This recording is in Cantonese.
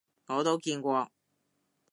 我都見過